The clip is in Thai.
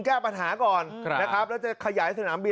แก้ปัญหาก่อนนะครับแล้วจะขยายสนามบิน